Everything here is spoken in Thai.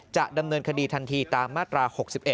จะดำเนินคดีทันทีตามมาตรา๖๑